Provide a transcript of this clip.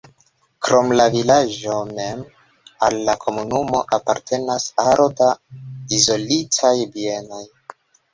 Krom la vilaĝo mem al la komunumo apartenas aro da izolitaj bienoj.